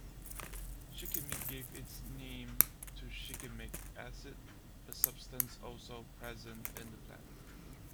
"Shikimi" gave its name to shikimic acid, a substance also present in the plant.